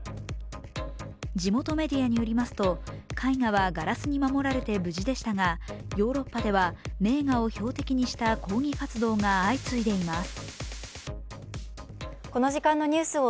地元メディアによりますと絵画はガラスに守られて無事でしたがヨーロッパでは名画を標的にした抗議活動が相次いでいます。